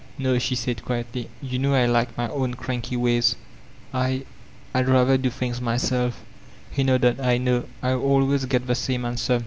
"No," she said quietly, "you know I like my own cranky ways. I — I'd rather do things myself." He nod ded: "I know. I always get the same answer.